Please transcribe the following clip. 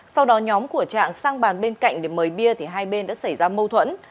sau đó nhóm của trạng sang bàn bên cạnh để mời bia thì hai bên đã xảy ra mâu thuẫn